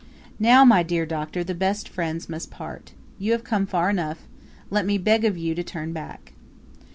"Now, my dear Doctor, the best friends must part. You have come far enough; let me beg of you to turn back."